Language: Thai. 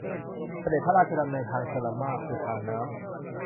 เสด็จพระราชดำเนินทางชลมารค คือทางน้ำ